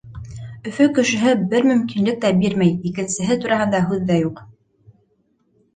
Өфө кешеһе бер мөмкинлек тә бирмәй, икенсеһе тураһында һүҙ ҙә юҡ.